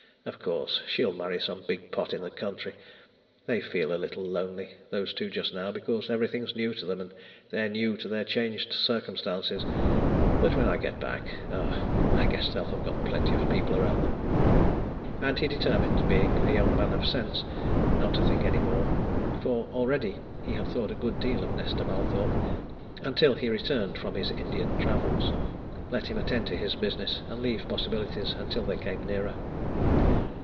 "Of course, she'll marry some big pot in the county. They feel a little lonely, those two, just now, because everything's new to them, and they're new to their changed circumstances. But when I get back ah! I guess they'll have got plenty of people around them." And he determined, being a young man of sense, not to think any more for already he had thought a good deal of Nesta Mallathorpe, until he returned from his Indian travels. Let him attend to his business, and leave possibilities until they came nearer.